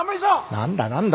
何だ何だ！？